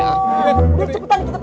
cepetan kita periksa dah